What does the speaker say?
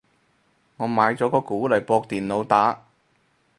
我買咗個鼓嚟駁電腦打